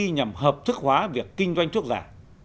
nhằm hợp thức hóa việc kinh doanh thuốc giả